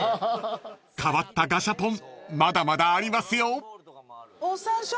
［変わったガシャポンまだまだありますよ］